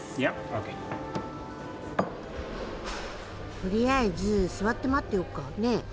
とりあえず座って待ってよっか。ね。